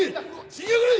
「死にやがれ！」